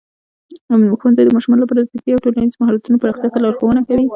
ښوونځی د ماشومانو لپاره د فکري او ټولنیزو مهارتونو پراختیا ته لارښوونه کوي.